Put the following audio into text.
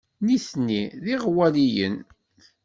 Nitni d iɣwaliyen.